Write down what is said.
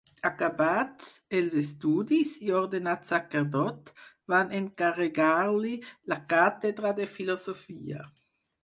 Acabats els estudis i ordenat sacerdot, van encarregar-li la càtedra de filosofia.